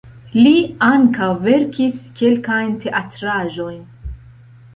Li ankaŭ verkis kelkajn teatraĵojn.